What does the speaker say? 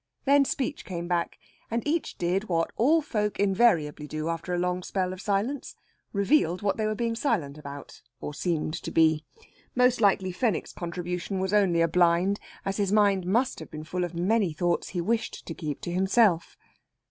Then speech came back, and each did what all folk invariably do after a long spell of silence revealed what they were being silent about, or seemed to be. Most likely Fenwick's contribution was only a blind, as his mind must have been full of many thoughts he wished to keep to himself.